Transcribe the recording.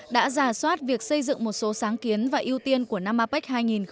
đã giả soát việc xây dựng một số sáng kiến và ưu tiên của năm apec hai nghìn hai mươi